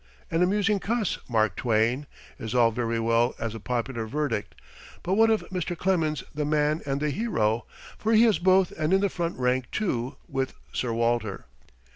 "An amusing cuss, Mark Twain," is all very well as a popular verdict, but what of Mr. Clemens the man and the hero, for he is both and in the front rank, too, with Sir Walter.